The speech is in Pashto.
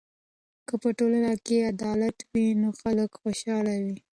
که په ټولنه کې عدالت وي نو خلک خوشحاله وي.